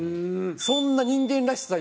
そんな人間らしさ